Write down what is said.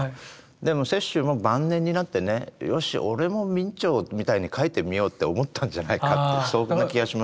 でも雪舟も晩年になってね「よし俺も明兆みたいに描いてみよう」って思ったんじゃないかってそんな気がします。